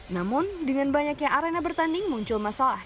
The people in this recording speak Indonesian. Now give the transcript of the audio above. namun dengan banyaknya arena bertanding muncul masalah